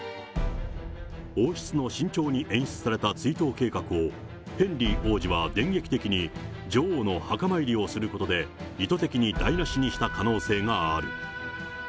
王室の慎重に演出された追悼計画を、ヘンリー王子は電撃的に女王の墓参りをすることで、意図的に台なしにした可能性がある。